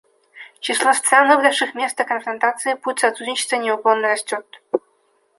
Число стран, выбравших вместо конфронтации путь сотрудничества, неуклонно растет.